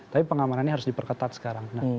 tapi pengamanannya harus diperketat sekarang